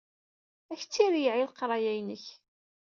Ad k-tt-ireyyeɛ i leqraya-inek.